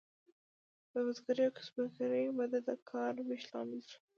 د بزګرۍ او کسبګرۍ وده د کار ویش لامل شوه.